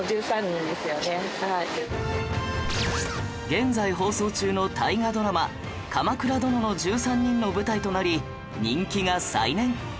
現在放送中の大河ドラマ『鎌倉殿の１３人』の舞台となり人気が再燃